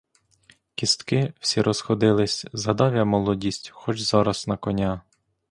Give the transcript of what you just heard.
Кістки всі розходились, згадав я молодість, хоч зараз на коня!